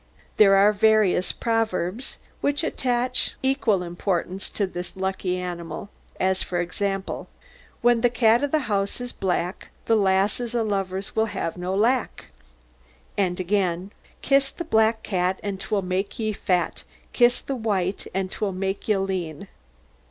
There are various proverbs which attach equal importance to this lucky animal, as, for example: Whenever the cat o' the house is black, The lasses o' lovers will have no lack. "And again: Kiss the black cat, An' 'twill make ye fat; Kiss the white ane, 'Twill make ye lean.